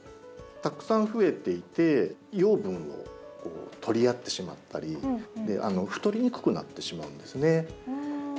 たくさん増えていて養分を取り合ってしまったり太りにくくなってしまうんですね。